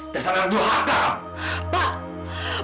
dasar yang dua hak kamu